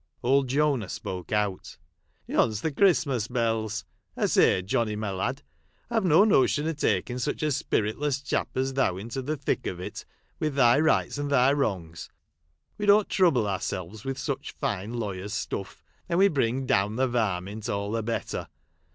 Old Jonah spoke out :" Yon 's the Christmas bells. I say, Johnny, my lad, I 've no notion of taking such a spirit less chap as thou into the thick of it, with thy rights and thy wrongs. We don't trouble ourselves with such fine lawyer's stuff, and we bring down the ' varmint ' all the better.